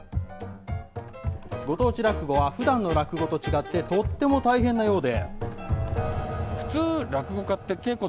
ご当地落語はふだんの落語と違って、とっても大変なようで。